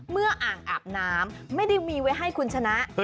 อ่างอาบน้ำไม่ได้มีไว้ให้คุณชนะ